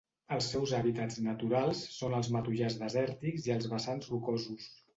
Els seus hàbitats naturals són els matollars desèrtics i els vessants rocosos.